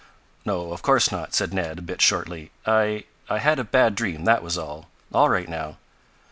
"No, of course not," said Ned, a bit shortly. "I I had a bad dream, that was all. All right now."